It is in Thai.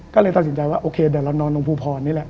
ก็เลยตัดสินใจว่าโอเคเดี๋ยวเรานอนตรงภูพรนี่แหละ